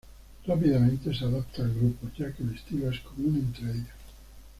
Rápidamente se adapta al grupo, ya que el estilo es común entre ellos.